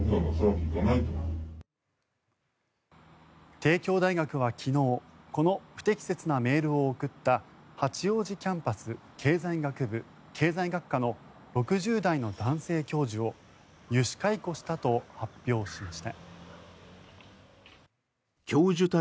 帝京大学は昨日この不適切なメールを送った八王子キャンパス経済学部経済学科の６０代の男性教授を諭旨解雇したと発表しました。